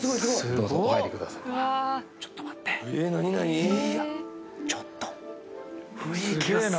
ちょっと待っていやちょっと。